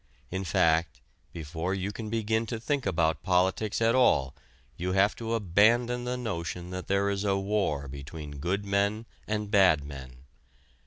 In fact, before you can begin to think about politics at all you have to abandon the notion that there is a war between good men and bad men.